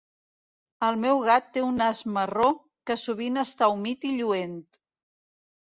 El meu gat té un nas marró que sovint està humit i lluent.